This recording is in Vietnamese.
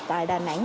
tại đà nẵng